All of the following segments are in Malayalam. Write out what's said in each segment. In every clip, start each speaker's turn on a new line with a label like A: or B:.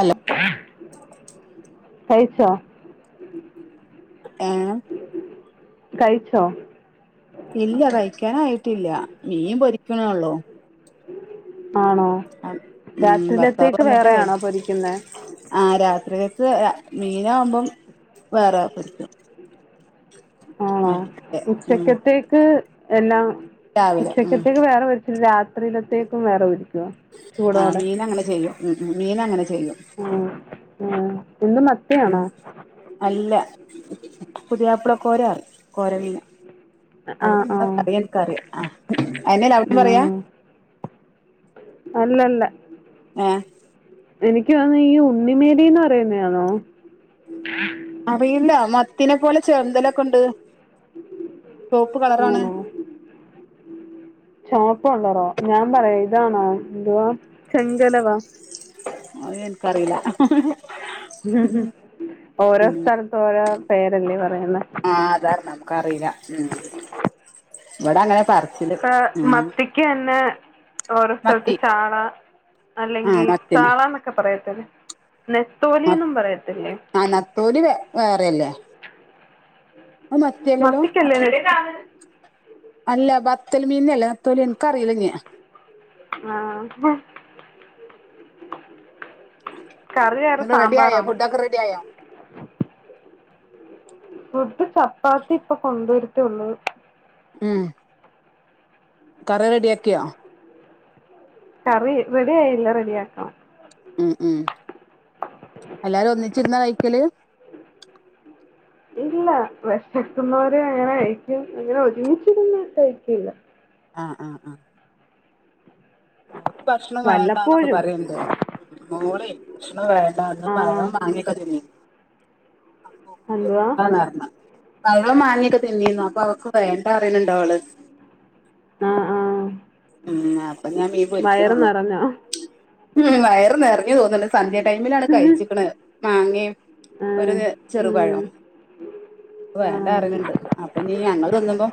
A: അല്ല
B: കഴിച്ചോ
A: ഏ
B: കഴിച്ചോ
A: ഇല്ല കയ്ക്കാനായിട്ടില്ല മീൻ പൊരിക്കണള്ളൂ
B: ആണോ
A: ഉം ഭർത്താവ്
B: രാത്രിയിലത്തേക്ക്
A: വന്നിട്ടേ
B: വേറെയാണോ പൊരിക്കുന്നത്
A: ആ രാത്രികത്ത് മീന ആകുമ്പം വേറെ പൊരിക്കും
B: ആ
A: മറ്റേ ഉം
B: ഉച്ചക്കത്തേക്ക് എല്ലാം
A: രാവിലെ ഉം
B: ഉച്ചക്കത്തേക്ക് വേറെ വ രി രാത്രിടത്തേക്കും വേറ പൊരിക്കോ
A: ആ മീനങ്ങനെ ചെയ്യും ഉ മീന അങ്ങനെ ചെയ്യും
B: ഉം ഉം ഇന്ന് മത്തി
A: ഉം അല്ല പുതിയപ്പിള കോര കോരമീന
B: ആ ആ
A: അവിടെന്താ തറ എനക്ക അറിയ ആ അന അവിടെ
B: ആ
A: പറയാ
B: അല്ലല്ല
A: ഏ
B: എനിക്ക് തന്ന ഈ ഉണ്ണിമേലന്ന് പറയുന്ന ആണോ
A: അറിയില്ല മത്തിനെ പോലെ ചെന്തമ്പലൊക്കെ ഉണ്ട് ച്ചോപ്പ് കളറാണ്
B: ആണോ ചപ്പ ഉള്ളറോ ഞാൻ പറയാ ഇതാാണ്ാ എന്തുവാ ചെങ്കലവാ
A: അ ത്ൻ കറില
B: ഉം ഓരോ സ്ഥലത്ത ഓരോ പേരല്ലേ പറയുന്ന
A: ആ ആധാർ നമുക്ക്റിയില്ല ഉം ഇവിടെ അങ്ങനെ പർ
B: അ മത്തിക്ക് എന്നെ ഓരോ സ്ഥലത്ത്
A: മത്തി
B: ചാള
A: ആഹ്
B: അല്ലെങ്കിൽ
A: മത്തിനെ
B: ചാള എന്നൊക്കെ പറയത്തില്ല നെത്തോലിന്നും പറയത്തില്ലേ
A: ആ നതോലി വ വേറെയല്ലേ ആ മത്തിയല്ലല്ലോ
B: മത്തിക്കല്ലേ
A: മത്തി
B: നെ
A: അല്ല അ ബത്തല് മീന അല്ലേ അത്തല് എനക്ക് അറിയിലഞ്
B: ആഹ് കറിയാറ
A: എന്നിട്ട് റെഡി ആയോ
B: സാമ്പാറാണോ
A: ഫുഡൊക്കെ റെഡി ആയോ
B: ഫുഡ് ചപ്പാത്തി ഇപ്പൊ കൊണ്ടുവരുത്തിള്ളത്
A: ഉം കറി റെഡിയാക്കിയോ
B: കറി റെടി ആയില്ല റെഡി ആക്കണം
A: ഉം ഉം എല്ലാരും ഒന്നിച്ചിരുന്നാ കഴിക്കല്
B: ഇല്ല വിഷക്കുന്നവര് അങ്ങനെ കഴക്കും അങ്ങനെ ഒരുമിച്ചിരുന്ന്ഴക്കയിില്ല
A: ആഹ് ആഹ് ആഹ് നോക്ക് ഭക്ഷണം വേണ്ടന്നൊക്കെ
B: വല്ലപ്പോഴും
A: പറയണ്ട് മോളെ ഭക്ഷണം വേണ്ടന്ന്
B: ആഹ്
A: പഴം വാങ്ങിയൊക്കെ ചെയ്‌തെന്ന്
B: എന്തുവാ
A: ആന്നന്ന്ന്നാന്ന് അവളും മാങ്ങയൊക്കെതിന്നീന്ന അപ്പൊ അവക്ക് വേണ്ടറിയണണ്ടോ അവള്?
B: ആഹ് ആഹ്
A: ഉം അപ്പൊ ഞാൻ
B: വയറ്
A: പൊരിക്കുണെള്ളു.
B: നിറഞ്ഞോ
A: ഉം വയറ് നെറഞൂ തോന്നണ് സന്ധ്യ ടൈമിലാണ് കഴിച്ചിക്കണ് മാങ്ങേം-
B: ആഹ്
A: ഒരിത്
B: ഉം
A: ചെറുപഴം. വേണ്ട
B: ആഹ്
A: അറിയിണ്ട് അപ്പൊ ഇനി ഞങ്ങൾ തിന്നുമ്പം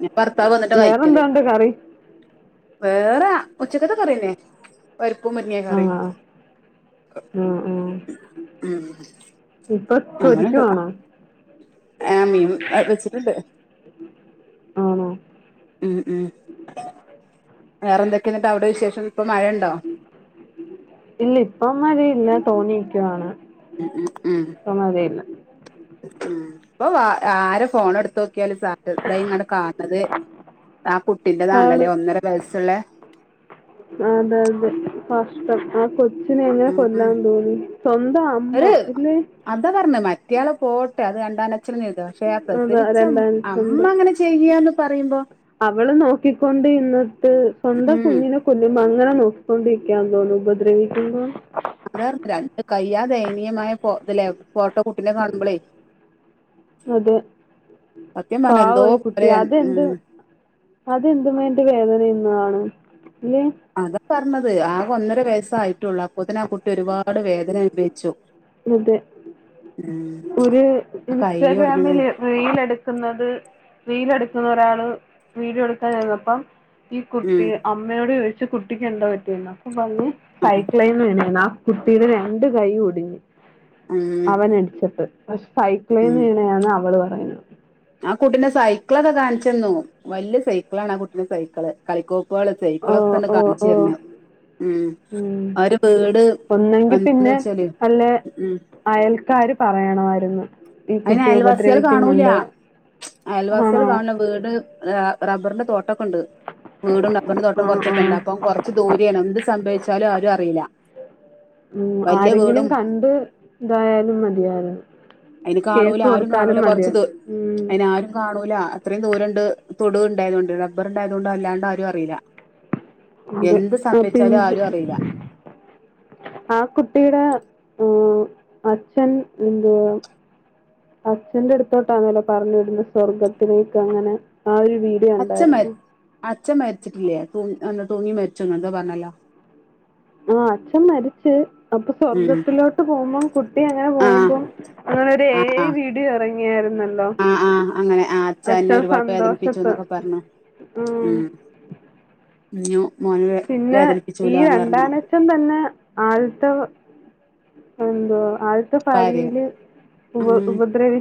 A: ഇനിഭർത്താവ് വന്നിട്ടേ
B: വേറെന്തോണ്ട് കറി.
A: വേറെ ഉച്ചക്കത്തെ കറിയന്നേ- പരിപ്പും മഞ്ഞേംകറി
B: ആഹ്
A: ഉം.
B: ആഹ് ആഹ് ഇപ്പൊ
A: അങ്ങനെണ്ട്
B: പൊരിക്കുവാണോ
A: ഏഹ് മീൻ വെച്ചിട്ടുണ്ട്.
B: ആണോ?
A: ഉം ഉം. വേറെ എന്തക്കെയെന്നിട്ട് അവിടെ വിശേഷം ഇപ്പം മഴയുണ്ടോ?
B: ഇല്ല ഇപ്പംമഴയില്ല തോന്നിക്കുവാണ്.
A: ഉം ഉം
B: ഇപ്പ മഴയില്ല
A: ഉം ഇപ്പം വ ആരെ ഫോണെ ടുത്തു. ക്കെലും സാധത ഇങ്ങ കാണത് ആ
B: ആണ്
A: കുട്ടിന്റെതാണല്ലേ ഒന്നര വയസ്സുള്ളേ-
B: അതെ അതെ പ കഷ്ട്ടം ആ കൊച്ചിനെ എങ്ങനെ
A: ഉം
B: കൊല്ലാൻ തോന്നി സ്വന്തം
A: ഒരു
B: അമ്മ ഇല്ലെ.
A: അതാ പറഞ്ഞെ മറ്റയാള് പോട്ടെ അത് രണ്ടാൻ അച്ഛൻ പക്ഷെ
B: അതാ
A: പ്രസച്ച
B: രണ്ടാം
A: അമ്മ
B: സ്വന്തം
A: അങ്ങനെ ചെ ചെയ്യാന്ന് പറയുമ്പോ?
B: അവള് നോക്കിക്കൊണ്ടിന്നിട്ട് സ്വന്തം
A: ഉം
B: കുഞ്ഞിനെ കൊല്ലും അങ്ങനെ നോക്കിക്കൊണ്ടിക്ക തോന്നുന്നും ഉപദ്രവിക്കുമ്പോം.
A: അതാ രണ്ട് കയ്യാ ദയനീയമായ പോ ഇതിലേ ഫോട്ടോ കൂട്ടിനെ കാണുമ്പോളേ
B: അതെ
A: സത്യപറഞ്ഞ
B: പാവം
A: എന്തോ [unintelligible] പറയാ ഉം
B: അതെന്തും വേണ്ടി വേദനിന്ന്കാണും ഇല്ലേ?
A: അതാ പറഞ്ഞത് ആകെ ഒന്നര വയസ്സായിട്ടുള്ളൂ അപ്പത്തേനും ആ കുട്ടി ഒരുപാട് വേദന അനുഭവിച്ചു.
B: അതെ
A: ഉം
B: ഒരു
A: ആ കൈ ഒടിഞ്ഞു
B: ഇൻസ്റ്റഗ്രാമില്
A: വീണ്
B: റീൽ എടുക്കുന്നത് റീൽ എടുക്കുന്ന ഒരാള് വീഡിയോ എടുക്കാനെന്നപ്പം ഈ
A: ഉം
B: കുട്ടി അമ്മയോട് ചോദിച്ചു കുട്ടിക്ക് എന്താ പറ്റിന്ന് അപ്പൊ പറഞ്ഞു
A: ആ
B: സൈക്ലേന്നു [unintelligible] ആ കുട്ടിയുടെ രണ്ട് കൈ ഒടിഞ്ഞ്
A: ഉം
B: അവനടിച്ച്. അത്
A: ഉം
B: സൈക്ലേന്ന് വീണയാന്ന് അവള് പറയുന്ന്.
A: ആ കുട്ടീന്റെ സൈക്കിളൊക്കെ കാണിച്ചെന്നു വലിയ സൈക്കിള ആണ് ആ കുട്ടിന്റെ സൈക്കിള് കളിക്കോപ്പുകള്
B: ഓ
A: സൈക്കളൊക്കെ ഇണ്ട്
B: ഓ
A: കാണിച്ചു തരുണം
B: ഓ
A: ഉം.
B: ഉം.
A: അവര് ബീട് [unintelligible]
B: ഒന്നെങ്കി
A: വന്ത്
B: പിന്നെ
A: വെച്ചലേ
B: വല്ല
A: ഉം
B: അയൽക്കാര് പറയണാവാരുന്നു.
A: അയിന് അയൽവാസികൾ കാണൂല അയൽവാസികള്
B: ആണോ?
A: കാണില്ല വീട് റബ്ബറിന്റെ തോട്ടൊക്കെ ഇണ്ട്. വീടും റബ്ബറിന്റെ തോട്ടം
B: ആഹ്
A: കുറച്ചൊക്കെഇണ്ട്
B: ആഹ്.
A: അപ്പൊ കുറച്ച് ദൂരെയാണ് എന്ത് സംഭവിച്ചാലും ആരും അറിയില്ല.
B: ഉം
A: വലിയ
B: ആരെങ്കിലും
A: വീടും
B: കാ ണ്ട് ഇതായാലും മതിയാരിന്ന്.
A: അയിന് കാണൂല ആരും കാണൂല കുറച്ചത് ദു
B: ഉം.
A: അയിന് ആരും കാണൂല അത്രയും ദൂരണ്ട് തൊടു ഉണ്ടായതുകണ്ട് റബ്ബർ ണ്ടായതുകൊണ്ട് അല്ലാണ്ട് ആരും അറിയൂല്ല.
B: അതെ ആ പിങ്ക്
A: ആരും അറിയില്ല
B: ആ കുട്ടിയുടെ ആഹ അച്ഛൻ എന്ത അച്ഛന്റെ അടുത്തോട്ടാന്നല്ലോ പറഞ്ഞു വിടുന്ന സ്വർഗത്തി ലേക്ക് അങ്ങനെ ആ ഒരു വീ
A: അച്ഛൻ മ അച്ഛൻ മരിച്ചിട്ടില്ലേ എന്ത തൂങ്ങി മരിച്ചൊന്ന എന്താ പറഞ്ഞാലോ
B: ആഹ അച്ഛൻ മരിച് അപ്പൊ
A: ഉം
B: സ്വർഗത്തിലോട്ട് പോകുമ്പോം കുട്ടി അങ്ങനെ
A: ആ
B: പോകുമ്പോം അങ്ങനെ ഒരു ഏ
A: ആ
B: ഏ
A: ആ
B: വീട് ടി ഇറങ്ങിയായിരുന്നു
A: ആ ആ അങ്ങനെ ആ അച്ഛൻ എന്നെ
B: ഹലോഅച്ഛൻ
A: ഒരുപാട് വേദനിപ്പിച്ചു
B: സന്തോഷത്ത്
A: എന്നൊക്കെ പറഞ്ഞു
B: ഉ
A: ഉ മ [unintelligible]
B: പിന്നെ ഈ രണ്ടാന അച്ഛൻ തന്നെ ആൾത്തെ എന്തോ ആൾ
A: ഭാര്യ
B: പാരിയില് ഉപ
A: ഉം
B: ഉപദ്രവി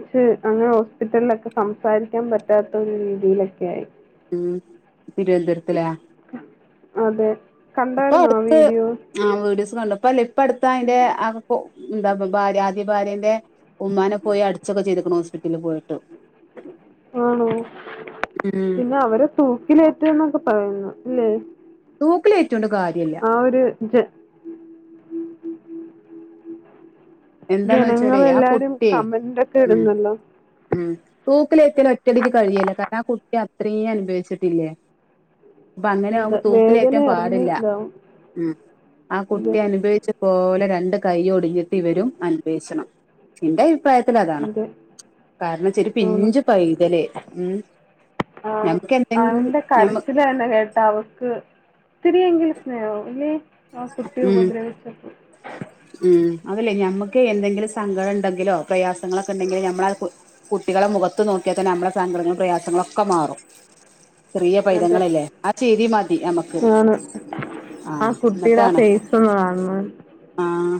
B: അങ്ങനെ ഹോസ്പിറ്റലിലൊക്കെ സംസാരിക്കാൻ പറ്റാത്ത ഒരു രീതിയിലൊക്കെ ആയി
A: ഉം തിരുവനന്തരത്തിലെ
B: അതെ കണ്ടായിരുന്നോ ആ
A: അടുത്ത്
B: വീഡിയോ
A: ആ വീഡിയോസ് കണ്ടു അപ്പല്ലേ ഇപ്പ അടുത്ത അയിന്റെ ആ എന്താ ഭാര്യ ആദ്യ ഭാര്യന്റെ ഉമ്മനെ പോയി അടിച്ചൊക്കെ ചെയ്തൊക്കണു ഹോസ്പിറ്റലിൽ പോയിട്ട് [unintelligible]
B: ആണോ
A: ഉം
B: പിന്നെ അവരെ തൂക്കിലേറ്റ എന്നൊക്കെ പറയുന്നു അല്ലേ
A: തൂക്കിലേറ്റുണ്ട് കാര്യ
B: ആ ഒരു
A: എന്താന്ന് വെച്ചാലേ ആ
B: ജനങ്ങളൾെല്ലാരും
A: കുട്ടിയെ
B: കമന്റൊക്കെ
A: ഉം
B: ഇടുന്നല്ലോ
A: ഉം തൂക്കില് ഏറ്റല് ഒറ്റടിക്ക് കഴില്ലെ കാരണം ആ കുട്ടി അത്രേ അനുഭവിച്ചിട്ടില്ലേ അപ്പൊ അങ്ങനെ
B: അതെ
A: ആവുമ്പോ
B: വേദന
A: തൂക്കിലേറ്റാൻ
B: അറിഞ്ഞ്
A: പാടില്ല
B: ഇതാവും
A: ഉം ആ
B: അതെ
A: കുട്ടി അനുഭവിച്ച പോലെ രണ്ട് കൈ ഒടിഞ്ഞിട്ട് ഇവരും അനുഭവിച്ചണം എന്റെ അഭിപ്രായത്തി ലതാണ്
B: അതെ
A: കാരണംച്ച ഒരു പിഞ്ചു പൈതല് ഉം
B: ആ
A: ഞമ്മക്ക് എന്തെങ്കിലും
B: അവന്റെ
A: ഞമ്മ
B: കരച്ചില് തന്നെ കേട്ട അവക്ക് ഇത്തിതിരിയെങ്കിലും സ്നേഹം ഇല്ലേ ആ കുട്ടി
A: ഉം
B: ഉപദ്രവിച്ചപ്പോ
A: ഉം അതല്ലേ ഞമ്മക്ക് എന്തെങ്കിലും സങ്കടം ഉണ്ടെങ്കിലോ പ്രയാസങ്ങളൊക്കെ ഉണ്ടെങ്കിലോ നമ്മളത് കുട്ടികളെ മുഖത്ത് നോക്കിയാ തന്നെ നമ്മുടെ സങ്കടങ്ങളും പ്രയാസങ്ങളൊക്കെ മാറും ചെറിയ
B: അതെ
A: പൈതങ്ങളല്ലേ ആ ചിരി മതി നമുക്ക് ആഹ
B: കുട്ടീടെ ഫേസ് ഒന്ന് കാണണം
A: ആഹ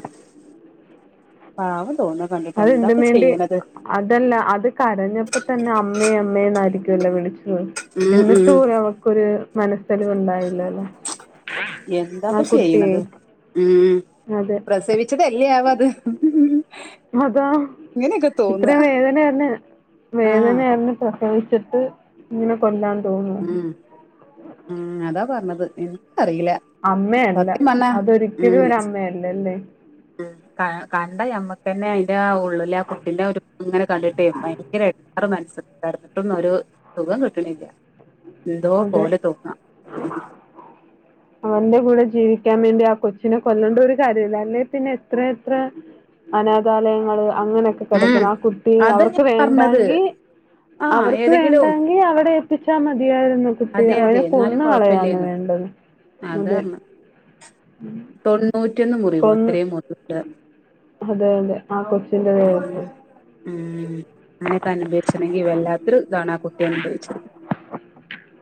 A: പാവം തോന്ന കണ്ടിട്ട് എന്താപ്പ
B: അതെന്തിനും വേണ്ടി
A: ചെയ്യണത്
B: അതല്ല അത് കരഞ്ഞപ്പോ തന്നെ അമ്മേ അമ്മേന്നായിരിക്കുവല്ലോ വിളിച്ചി ട്ടു
A: ഉം
B: എന്നിട്ട്
A: ഉം
B: പോലും അവൾക്കൊരു മനസ്സലിവ് ഉണ്ടായില്ലല്ലോ
A: എന്താപ്പൊ ചെയ്യണത് ഉം
B: അതെ
A: പ്രസവി ച്ചതല്ലേ ആവത്
B: അതാ ഇത്ര വേദനയന്ന്
A: ആഹ്
B: വേദനയറിഞ് പ്രസവിച്ചിട്ട് ഇങ്ങനെ കൊല്ലാൻ തോന്നോ
A: ഉം ഉം അതാ പറഞ്ഞത് എനിക്ക് അറീല
B: അമ്മയല്ല അതൊരിക്കലും ഒരു അമ്മയല്ലല്ലേ
A: ഉം കണ്ടഞമ്മക്കന്നെ അയിന്റെ ആ ഉള്ളില് ആ കുട്ടിന്റെ ഒരു അങ്ങനെ കണ്ടിട്ടേ ഭയങ്കര ങ്ങേറ് മനസ്ക്ക് കെടന്നിട്ടൊന്നൊരു സുഖം കിട്ടണില്ല എന്തോ
B: അതെ
A: പോലെ തോന്നാ
B: അവന്റെ കൂടെ ജീവിക്കാൻ വേണ്ടി ആ കൊച്ചിനെ കൊല്ലേണ്ട ഒരു കാര്യുല്ലായിരുന്നു അല്ലെ പിന്നെ എത്ര എത്ര അനാഥാലയങ്ങള് അങ്ങനെയൊക്കെ
A: ഉം
B: കിടക്കുന്ന് ആ കുട്ടി
A: അതാ
B: അവർക്ക്
A: ഞാൻ പറഞ്ഞത്
B: വേണ്ടായെങ്കി
A: ആഹ്
B: അവർക്ക്
A: ഏതെങ്കിലും
B: വേണ്ടയെങ്കി അവിടെ എത്തിച്ചാ മതിയായിരുന്നു കുട്ടിയെ
A: അതെ അതെ
B: അതിന്
A: എന്നാലും
B: കൊന്ന് കളയാന്ന്
A: കൊഴപ്പില്ലേന്നു
B: വേണ്ടത് അത്
A: തൊണ്ണൂറ്റന്ന് മുറിവോ അത്രേയും മോത്ത്ണ്ട്
B: അതെ അതെ ആ കൊച്ചിന്റെ
A: ഉം
B: ദേഹത്ത്
A: ഉം അങ്ങനെയൊക്കെ അനുഭവിച്ചിണെങ്കി വല്ലാത്തൊരു താണ കുട്ടി അനുഭവിച്ചത്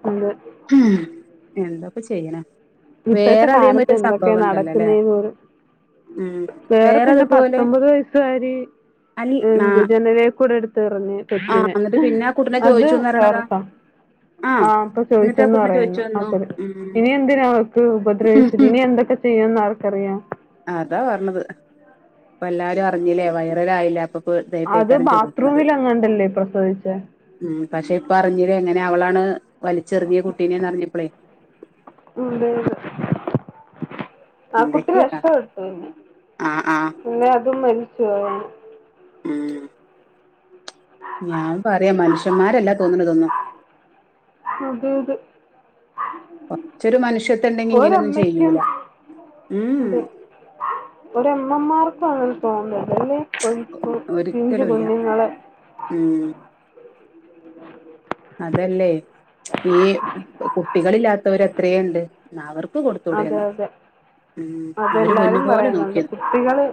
B: ഉണ്ട്
A: ഉം എന്താപ്പൊ ചെയ്യണെ
B: ഇപ്പഴത്തെ
A: വേറെ
B: കാലത്ത്
A: അതേമാതിരി ഒരു
B: എന്തൊക്കെയ
A: സംഭവം ഉണ്ടല്ലോ ല്ലേ
B: നടക്കുന്നേന്ന് പോലും
A: ഉം
B: വേറെ പിന്നെ
A: അതുപോലെ
B: പത്തൊമ്പത് വയസ് കാരി
A: അൽ ആ
B: എന്ത്‌ ജനലേക്കൂടെടുത്ത് എറിഞ്
A: ആ
B: കുട്ടിനെ,
A: എന്നിട്ട് പിന്നെ ആ കുട്ടിനെ
B: അത്
A: ചോദിച്ചുന്ന് പറയണതാ
B: വേറൊരു സം
A: ആ
B: ആഹ് അപ്പൊ
A: എന്നിട്ട് ആ
B: ചോദിച്ചന്ന്
A: കുട്ടിനെ ചോദിച്ചു
B: പറയുന്നു
A: വന്നു
B: [inaudible]
A: ഉം
B: ഇനി എന്തിനാ അവക്ക് ഉപദ്രവിച്ചത് ഇനി എന്തൊക്കെ ചെയ്യുംന്ന് ആർക്കറിയാം
A: അതാ പറഞ്ഞത് പ്പെല്ലാരും അറിഞ്ഞില്ലേ വൈറലായിലെ അപ്പൊ ഇപ്പ
B: അത്
A: ഇതായിട്ടേക്കാരം ചോദിക്കണത്
B: ബാത്റൂമിലെങ്ങാണ്ടല്ലേ പ്രസവിച്ചെ
A: ഉം പക്ഷെ ഇപ്പ അറിഞ്ഞിലെ ഇങ്ങനെ അവളാണ് വലിച്ചെറിഞ്ഞെ കുട്ടീനെന്ന് അറിഞ്ഞപ്പളേ
B: [unintelligible] ആ കുട്ടി
A: എന്തൊക്കെയാ
B: രക്ഷപ്പെട്ട്,
A: ആ ആ
B: ഇല്ലേ അതും മരിച്ചുപോയേനെ
A: ഉം ഞാൻ പറയാ മനുഷ്യന്മാരല്ല തോന്നണതൊന്നും
B: അതെയതെ
A: പക്ഷെ ഒരു മനുഷ്യത്വം ഉണ്ടെങ്കി ഇങ്ങനെയൊന്നും
B: ഒരമ്മക്കും
A: ചെയ്യൂല ഉം
B: ഉണ്ട് ഒരമ്മമാർക്കും അങ്ങനെ തോന്നില്ലല്ലേ കൊ പിഞ്ചു
A: ഒരിക്കലുംല്ല
B: കുഞ്ഞുങ്ങളെ
A: ഉം അതല്ലേ ഈ കുട്ടികളില്ലാത്തവരെത്രേണ്ട്, ന്ന അവർ ക്ക്‌
B: അതെ
A: കൊട്തൂടെന്ന
B: അതെ
A: ഉം അവര് പൊന്നുപോലെ നോക്കി
B: ട്ടികള്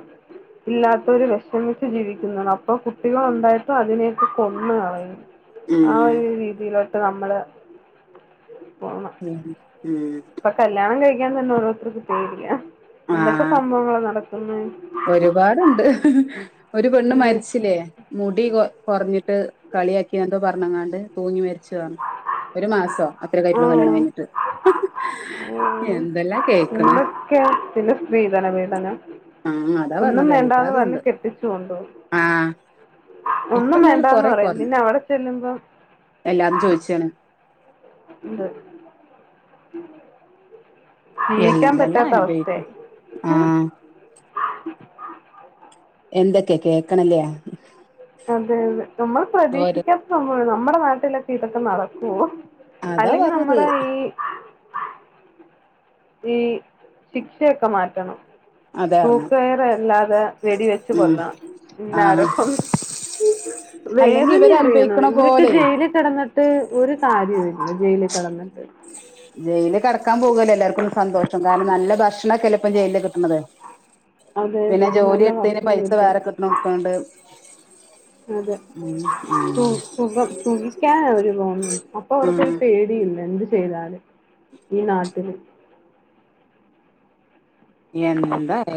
B: ഇല്ലാത്തവര് വെഷമിച്ച് ജീവിക്കുന്നതാണ്. അപ്പൊ കുട്ടികൾ ഉണ്ടായിട്ടും അതിനെയൊക്കെ കൊന്ന് കളയും ആ
A: ഉം
B: ഒരു രീതിയിലോട്ട് നമ്മള് പോണ്
A: ഉം ഉം
B: പ്പ കല്യാണം കഴിക്കാൻ തന്നെ ഓരോരുത്തർക്ക് പേടിയാ. എന്തൊക്കെ സംഭവങ്ങള നടക്കുന്ന
A: ഒരുപാട്ണ്ട് ഒരു പെണ്ണ്
B: ഇത്
A: മരിച്ചില്ലേ മുടി കൊ കൊർഞ്ഞിട്ട് കളിയാക്കി എന്തോ പറഞ്ഞങ്ങാണ്ട് തൂങ്ങി മരിച്ചതാണ് ഒരു മാസോ
B: ആ
A: അത്രക്കയ്റ്റുള്ള കല്യാണം കഴിഞ്ഞിട്ട്, എന്തെല്ലാ കേക്കണ്
B: കേട്ടിട്ടില്ലേ സ്ത്രീധന പീഡനം
A: ആഹ് അതാ
B: ഒന്നും
A: പറഞ്ഞത്
B: വേണ്ടാന്ന്
A: എല്ലാതും
B: പറഞ്ഞ്
A: ഉണ്ട്
B: കെട്ടിച്ച് കൊണ്ടോവും
A: ആഹ് ഇപ്പ
B: ഒന്നും
A: എന്നാലും
B: വേണ്ടാന്ന്
A: കൊറെ
B: പറയും,
A: കൊറഞ്ഞു
B: പിന്നവിടെ ചെല്ലുമ്പം
A: എല്ലാരും ചോയ് ച്ചാണ്
B: ഉണ്ട് ജീവിക്കാൻ
A: എന്തെല്ലാം
B: പറ്റാത്ത
A: അനുഭവിക്കും
B: അവസ്ഥയായി
A: ആഹ് എന്തൊക്കെ കേക്
B: അതെ അതെ നമ്മൾ
A: ഓരോ
B: പ്രതീക്ഷിക്ക നമ്മുടെ നാട്ടിലൊക്കെ ഇതൊക്കെ നടക്കുവോ
A: അതാ
B: അല്ലെങ്കിൽ
A: പറഞ്ഞത്
B: നമ്മുടെ ഈ ഈ ശിക്ഷയൊക്കെ മാറ്റണം
A: അതാ പറഞ്ഞെ
B: തൂക്ക കയറ അല്ലാതെ വെടിവെച്ച്
A: ഉം
B: കൊല്ലാം ഇന്നാരോ
A: ആഹ് അല്ലെങ്കി
B: വേദന
A: ഇവര്
B: അറിയണോ
A: അനുഭവിക്കണ
B: ഇവരട്ട
A: പോലെ
B: ജയില കിടന്നിട്ട് ഒരു കാര്യല്ല ജയിലിൽ കിടന്നിട്ട്
A: ജയിലയില് കടക്കാൻ പോകുവല്ലോ എല്ലർക്കും സന്തോഷം കാരണം നല്ല ഭക്ഷണംൊക്കെല്ലപ്പ ജയിലില് കിട്ടണത്
B: അതെ
A: പിന്നെ
B: അതെ
A: ജോലി
B: നല്ല
A: എടുത്തതിന്
B: ഭക്ഷണം
A: പൈസ
B: കിട്ടും
A: വേറെ കിട്ടണ കൊടുക്കണ്ട്
B: അതെ സുഖം സുഖിക്കാൻ അവര് തോന്നുന്നു അപ്പൊ
A: ഉം
B: അവർക്കരു പേടി ല്ല എന്ത് ചെയ്തല് ഈ നാട്ടിൽ
A: എന്താലേ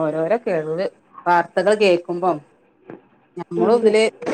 A: ഓരോരോ [unintelligible] വാർത്തകൾ കേൾക്കും ക്കുമ്പ നമ്മൾ
B: അതെ
A: ഇതില്